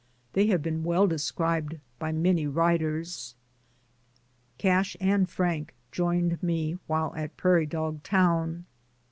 They have been DAYS ON THE ROAD. 103 well described by many writers. Cash and Frank joined me, while at Prairie Dog Town.